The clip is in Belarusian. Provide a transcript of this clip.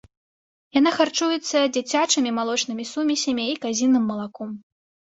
Яна харчуецца дзіцячымі малочнымі сумесямі і казіным малаком.